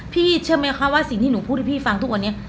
พี่เชื่อไหมคะว่าสิ่งที่หนูพูดให้พี่ฟังทุกวันนี้